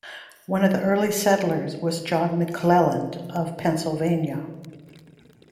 One of the early settlers was John McClelland of Pennsylvania.